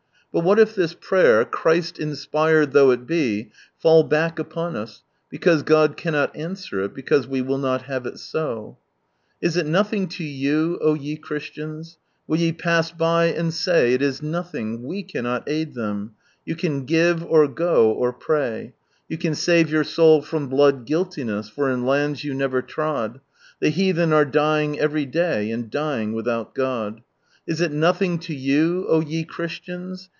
But what if this prayer, Christ inspired though it be, fait back upon us, because God cannot answer it, because we will not have it so !" Is it nothing to you, O ye Christians? Will ye pass by and say ■ It is nolhins, wt cannot aid them '1 n give— ■go ■ prny ; e your soul from blood Euilliness, For in lands you never trod The heathen are dying every day, And dying without God. Is it nothing to you, O ye Christians?